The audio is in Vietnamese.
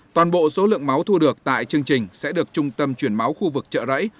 toàn bộ số lượng máu thu được tại chương trình sẽ được trung tâm chuyển máu khu vực chợ rẫy